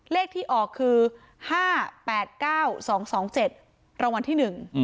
เลขที่ออกคือ๕๘๙๒๒๗รางวัลที่๑